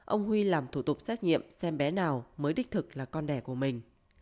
ông huy làm thủ tục xét nghiệm xem bé nào mới đích thực là con đẻ của mình